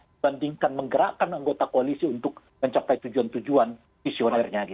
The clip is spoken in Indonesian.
dibandingkan menggerakkan anggota koalisi untuk mencapai tujuan tujuan visionernya